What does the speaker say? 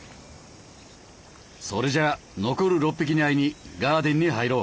それじゃあ残る６匹に会いにガーデンに入ろう。